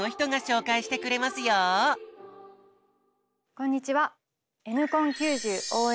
こんにちは。